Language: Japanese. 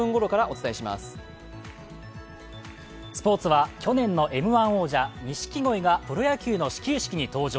スポーツは去年のＭ−１王者、錦鯉がプロ野球の始球式に登場。